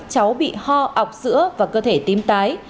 cháu bị ho ọc sữa và cơ thể tím tái